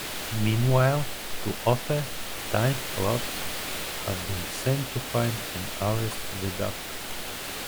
Meanwhile, two other Time Lords have been sent to find and arrest the Doctor.